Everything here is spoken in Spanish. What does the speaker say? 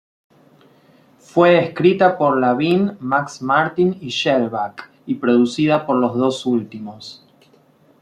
Fue escrita por Lavigne, Max Martin y Shellback, y producida por los dos últimos.